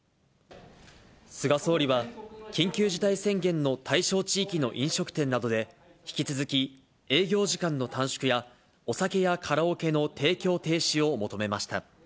菅総理は、緊急事態宣言の対象地域の飲食店などで、引き続き営業時間の短縮や、お酒やカラオケの提供停止を求めました。